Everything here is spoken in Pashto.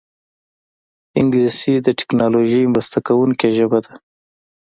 انګلیسي د ټیکنالوژۍ مرسته کوونکې ژبه ده